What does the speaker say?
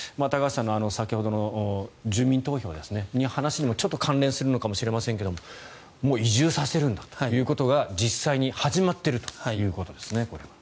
高橋さんの先ほどの住民投票の話にもちょっと関連するのかもしれませんがもう移住させるんだということが実際に始まっているということですね。